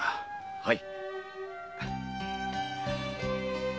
はい！